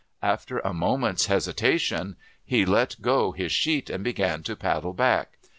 After a moment's hesitation, he let go his sheet and began to paddle back.